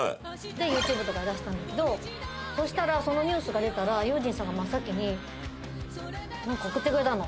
ＹｏｕＴｕｂｅとか出したんだけどそのニュースが出たら悠仁さんが真っ先に送ってくれたの。